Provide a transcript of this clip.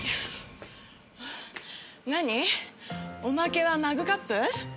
おまけはマグカップ？